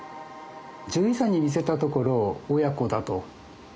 獣医さんに見せたところ親子だと言われましたね。